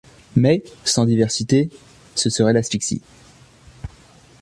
Mais, sans diversité, ce serait l’asphyxie.